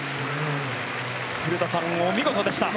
古田さん、お見事でした。